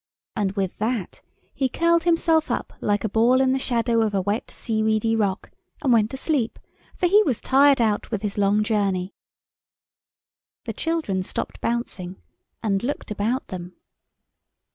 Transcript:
And with that he curled himself up like a ball in the shadow of a wet sea weedy rock, and went to sleep, for he was tired out with his long journey. The children stopped bouncing, and looked about them.